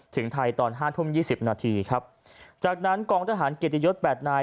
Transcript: ถึงไทยตอนห้าทุ่มยี่สิบนาทีครับจากนั้นกองทหารเกียรติยศแปดนาย